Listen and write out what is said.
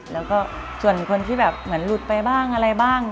แล้วก็ส่วนคนที่แบบเหมือนหลุดไปบ้างอะไรบ้าง